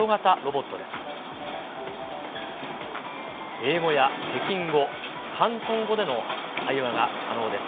英語や北京語、広東語での会話が可能です。